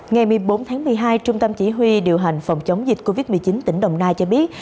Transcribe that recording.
ngày một mươi bốn tháng một mươi hai trung tâm chỉ huy điều hành phòng chống dịch covid một mươi chín tỉnh đồng nai cho biết